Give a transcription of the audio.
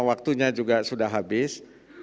waktunya juga sudah habis